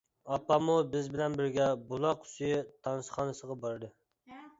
ئاپاممۇ بىز بىلەن بىرگە «بۇلاق سۈيى» تانسىخانىسىغا باردى.